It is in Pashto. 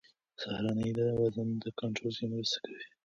سهارنۍ د وزن کنټرول کې مرسته کوي.